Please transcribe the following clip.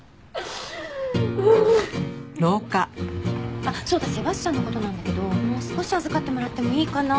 あっそうだセバスチャンの事なんだけどもう少し預かってもらってもいいかな？